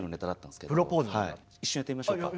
一瞬やってみましょうか。